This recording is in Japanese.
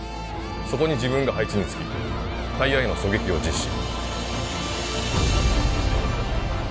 そこに自分が配置につきタイヤへの狙撃を実施